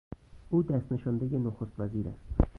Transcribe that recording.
او دست نشانده نخستوزیر است.